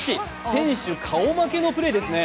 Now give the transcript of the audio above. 選手顔負けのプレーですね。